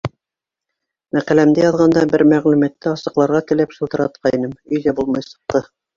Мәҡәләмде яҙғанда бер мәғлүмәтте асыҡларға теләп шылтыратҡайным, өйҙә булмай сыҡты.